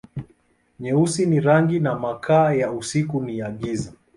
Nyeusi ni rangi na makaa, ya usiku na ya giza.